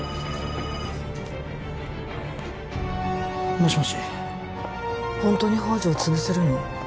もしもしホントに宝条を潰せるの？